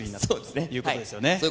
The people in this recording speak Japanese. そうですね